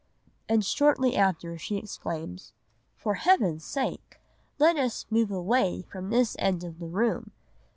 '" And shortly after she exclaims, "'For Heaven's sake! let us move away from this end of the room.